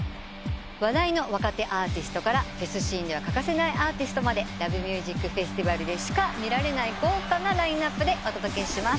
話題の若手アーティストからフェスシーンには欠かせないアーティストまで「ＬＯＶＥＭＵＳＩＣＦＥＳＴＩＶＡＬ」でしか見られない豪華なラインアップでお届けします。